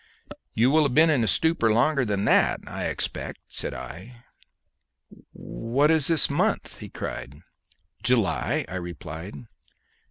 "You will have been in a stupor longer than that, I expect," said I. "What is this month?" he cried. "July," I replied.